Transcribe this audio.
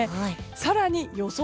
更に、予想